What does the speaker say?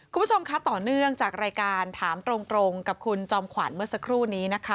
คุณผู้ชมคะต่อเนื่องจากรายการถามตรงกับคุณจอมขวัญเมื่อสักครู่นี้นะคะ